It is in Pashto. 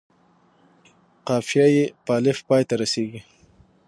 قافیه یې په الف پای ته رسيږي.